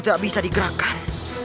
tidak bisa digerakkan